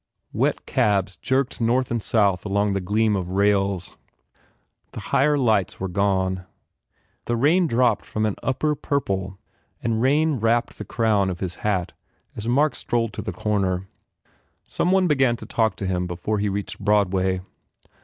Wet cabs jerked north and south along the gleam of rails. The higher lights were gone. The rain dropped from an upper purple and rapped the crown of his hat as Mark strolled to 75 THE FAIR REWARDS the corner. Some one began to talk to him before he reached Broadway.